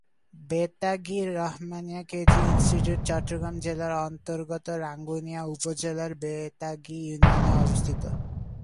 Betagi Rahmania KG institute Chattogram জেলার অন্তর্গত রাঙ্গুনিয়া উপজেলার বেতাগী ইউনিয়নে অবস্থিত।